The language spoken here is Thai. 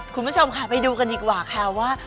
คุณผู้ชมค่ะไปดูกันดีกว่าค่ะว่า